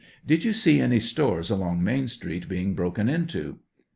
Did you see any stores along Main Street being broken into